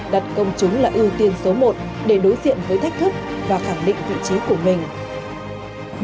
đặt công chúng là ưu tiên số một để đối diện với thách thức và khẳng định vị trí của mình